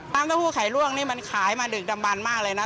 น้ำเต้าหู้ไข่ลวกมันขายมาดึกดำบันมากเลยนะ